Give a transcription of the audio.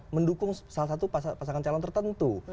mendukung salah satu pasangan calon tertentu